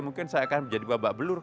mungkin saya akan menjadi babak belur